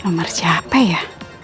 nomor siapa ya